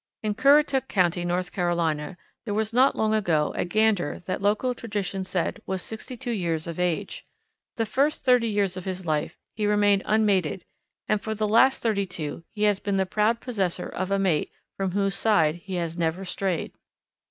In Currituck County, North Carolina, there was not long ago a gander that local tradition said was sixty two years of age. The first thirty years of his life he remained unmated and for the last thirty two he has been the proud possessor of a mate from whose side he has never strayed.